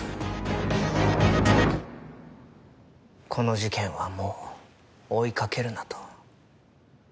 「この事件はもう追いかけるな」と。